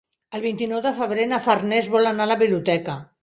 El vint-i-nou de febrer na Farners vol anar a la biblioteca.